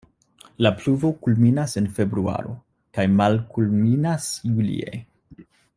La pluvo kulminas en februaro kaj malkulminas julie.